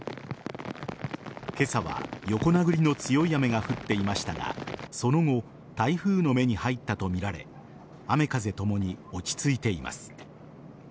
今朝は横殴りの強い雨が降っていましたがその後台風の目に入ったとみられ雨風ともに落ち着いています。